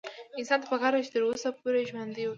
انسان ته پکار ده چې تر وسه پورې ژوند وکړي